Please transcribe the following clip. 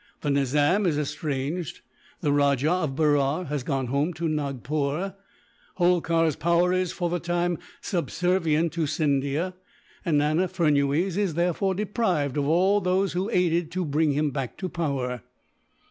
The Nizam is estranged; the Rajah of Berar has gone home to Nagpore; Holkar's power is, for the time, subservient to Scindia; and Nana Furnuwees is, therefore, deprived of all those who aided to bring him back to power.